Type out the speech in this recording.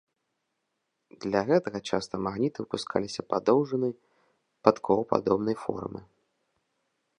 Для гэтага часта магніты выпускаліся падоўжанай, падковападобнай формы.